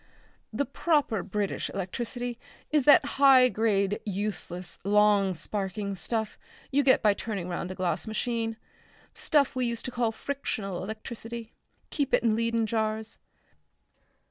The proper British electricity is that high grade useless long sparking stuff you get by turning round a glass machine; stuff we used to call frictional electricity. Keep it in Leyden jars....